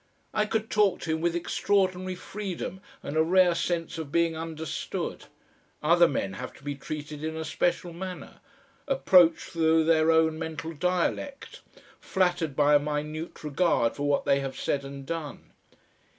I could talk to him with extraordinary freedom and a rare sense of being understood. Other men have to be treated in a special manner; approached through their own mental dialect, flattered by a minute regard for what they have said and done.